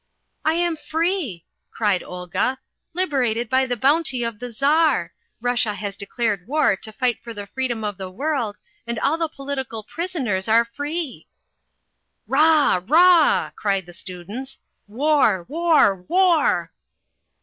"I am free," cried Olga, "liberated by the bounty of the Czar Russia has declared war to fight for the freedom of the world and all the political prisoners are free." "Rah, rah!" cried the students. "War, war, war!"